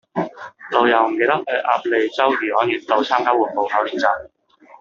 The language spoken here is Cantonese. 老友唔記得去鴨脷洲漁安苑道參加緩步跑練習